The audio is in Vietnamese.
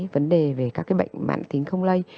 vấn đề về các cái bệnh mãn tính không lây